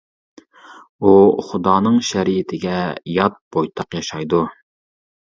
ئۇ خۇدانىڭ شەرىئىتىگە يات بويتاق ياشايدۇ.